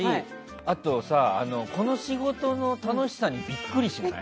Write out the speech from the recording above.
あと、この仕事の楽しさにビックリしない？